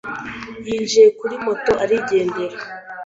yinjiye kuri moto arigendera.